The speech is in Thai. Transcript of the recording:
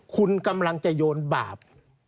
คุณกำลังจะโยนบาป